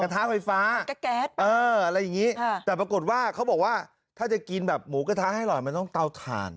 ท้าไฟฟ้าอะไรอย่างนี้แต่ปรากฏว่าเขาบอกว่าถ้าจะกินแบบหมูกระทะให้อร่อยมันต้องเตาถ่าน